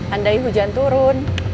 andai hujan turun